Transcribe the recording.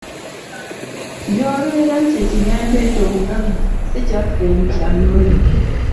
Gy’obeera nti ekigambo ekyo “obugagga” si kyaffe kya nnono!